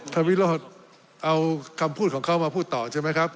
วิโรธเอาคำพูดของเขามาพูดต่อใช่ไหมครับ